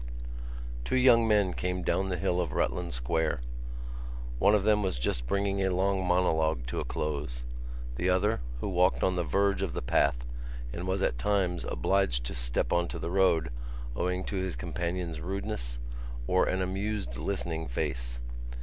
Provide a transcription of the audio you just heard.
Two young men came down the hill of Rutland Square. One of them was just bringing a long monologue to a close. The other, who walked on the verge of the path and was at times obliged to step on to the road, owing to his companion's rudeness, wore an amused listening face.